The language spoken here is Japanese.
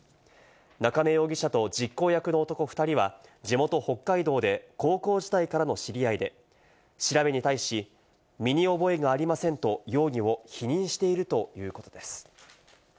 中明容疑者と実行役の男２人は地元・北海道で高校時代からの知り合いで、調べに対し身に覚えがありませんと容疑を否認しているということです。